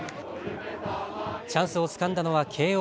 チャンスをつかんだのは慶応。